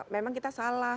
memang kita salah